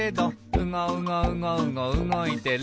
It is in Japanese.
「うごうごうごうごうごいてる」